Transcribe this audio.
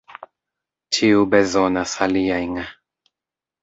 Ĉiu bezonas aliajn.